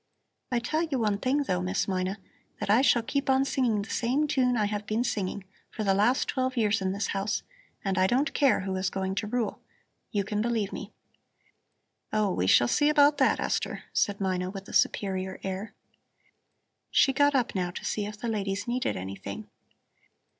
I tell you one thing, though, Miss Mina, that I shall keep on singing the same tune I have been singing for the last twelve years in this house, and I don't care who is going to rule. You can believe me." "Oh, we shall see about that, Esther," said Mina with a superior air. She got up, now, to see if the ladies needed anything.